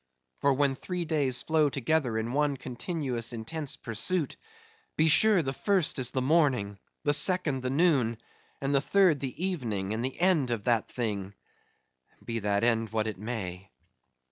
—For when three days flow together in one continuous intense pursuit; be sure the first is the morning, the second the noon, and the third the evening and the end of that thing—be that end what it may.